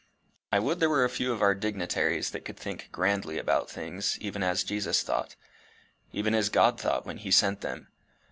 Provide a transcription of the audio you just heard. I would there were a few of our dignitaries that could think grandly about things, even as Jesus thought even as God thought when he sent him.